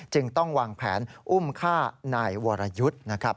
จึงต้องวางแผนอุ้มฆ่านายวรยุทธ์นะครับ